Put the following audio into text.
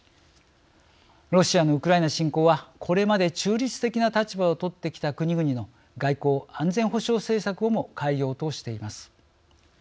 ロシアのウクライナ侵攻はこれまで中立的な立場をとってきた国々の外交・安全保障政策をも変えようとしています。